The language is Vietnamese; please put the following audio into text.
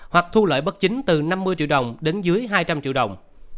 hoặc thu lợi bất chính từ năm mươi triệu đồng đến dưới hai trăm linh triệu đồng